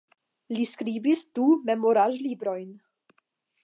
Li skribis du memoraĵlibrojn.